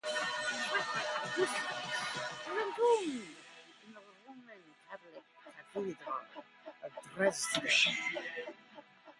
Frederick Augustus was entombed in the Roman Catholic Cathedral of Dresden.